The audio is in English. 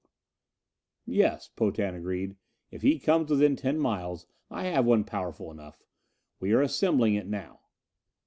"Yes," Potan agreed. "If he comes within ten miles, I have one powerful enough. We are assembling it now."